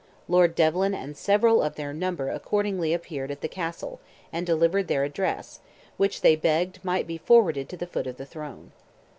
Lord Delvin and several of their number accordingly appeared at the Castle, and delivered their address, which they begged might be forwarded to the foot of the throne.